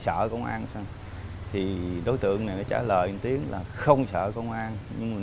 ồ ra ngoài khi quan tâm trong lòng đứa hả